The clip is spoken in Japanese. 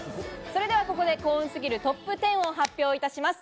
ではここで幸運すぎるトップ１０を発表いたします。